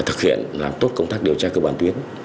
thực hiện làm tốt công tác điều tra cơ bản tuyến